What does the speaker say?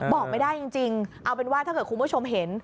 บอกไม่ได้จริงเอาเป็นว่าถ้าเกิดคุณผู้ชมเห็น